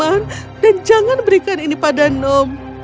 jangan dan jangan berikan ini pada nom